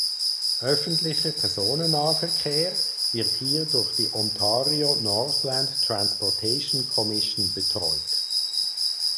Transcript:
Öffentlicher Personennahverkehr wird hier durch die Ontario Northland Transportation Commission betreut.